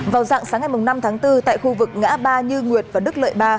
vào dạng sáng ngày năm tháng bốn tại khu vực ngã ba như nguyệt và đức lợi ba